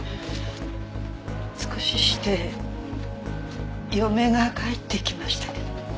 少しして嫁が帰ってきましたけど。